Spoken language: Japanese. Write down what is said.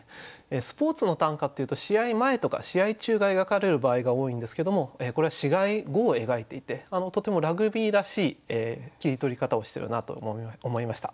スポーツの短歌っていうと試合前とか試合中が描かれる場合が多いんですけどもこれは試合後を描いていてとてもラグビーらしい切り取り方をしてるなと思いました。